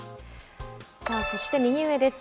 そして右上です。